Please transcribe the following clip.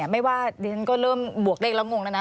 ไม่ว่าดิฉันก็เริ่มบวกเลขแล้วงงแล้วนะ